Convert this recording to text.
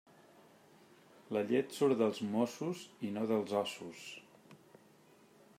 La llet surt dels mossos i no dels ossos.